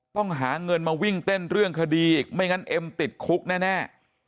ต้องหาเงินมาวิ่งเต้นเรื่องคดีอีกไม่งั้นเอ็มติดคุกแน่